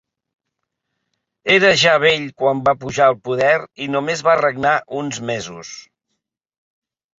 Era ja vell quan va pujar al poder i només va regnar uns mesos.